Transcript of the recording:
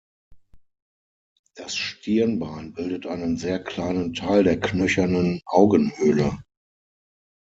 Das Stirnbein bildet einen sehr kleinen Teil der knöchernen Augenhöhle.